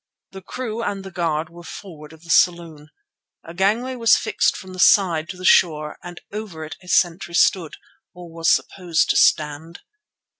The crew and the guard were forward of the saloon. A gangway was fixed from the side to the shore and over it a sentry stood, or was supposed to stand.